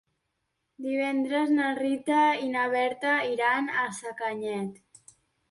Divendres na Rita i na Berta iran a Sacanyet.